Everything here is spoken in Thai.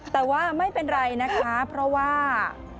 แต่ว่าไม่เป็นไรนะคะเพราะว่า